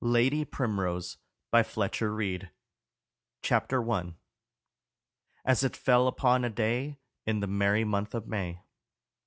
LADY PRIMROSE. BY FLETCHER READE. CHAPTER I. "As it fell upon a day In the merry month of May."